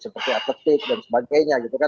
seperti atletik dan sebagainya